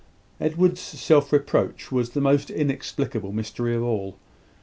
Edward's self reproach was the most inexplicable mystery of all.